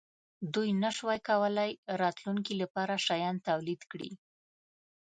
دوی نشوای کولای راتلونکې لپاره شیان تولید کړي.